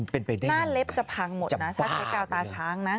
หน้าเล็บจะพังหมดนะถ้าใช้กาวตาช้างนะ